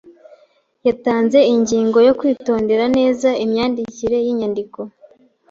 yatanze ingingo yo kwitondera neza imyandikire yinyandiko